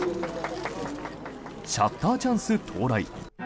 シャッターチャンス到来。